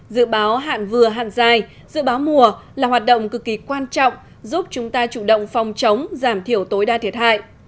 dự báo hạn vừa hạn dài dự báo mùa là hoạt động cực kỳ quan trọng giúp chúng ta chủ động phòng chống giảm thiểu tối đa thiệt hại